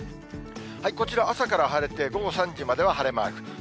こちら、朝から晴れて、午後３時までは晴れマーク。